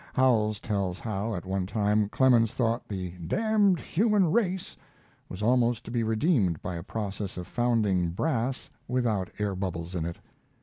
Howells tells how, at one time, Clemens thought the "damned human race" was almost to be redeemed by a process of founding brass without air bubbles in it.